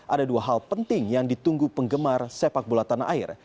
ada dua hal penting yang ditunggu penggemar sepak bola tanah air